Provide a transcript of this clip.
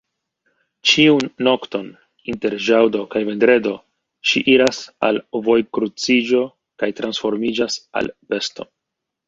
Ĉiun nokton inter ĵaŭdo kaj vendredo, ŝi iras al vojkruciĝo kaj transformiĝas al besto.